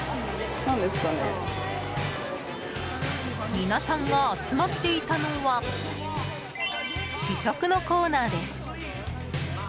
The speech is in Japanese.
皆さんが集まっていたのは試食のコーナーです。